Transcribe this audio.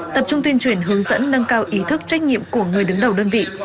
tập trung tuyên truyền hướng dẫn nâng cao ý thức trách nhiệm của người đứng đầu đơn vị